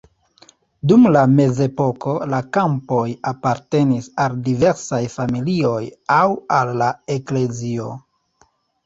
Dum la mezepoko la kampoj apartenis al diversaj familioj aŭ al la eklezio.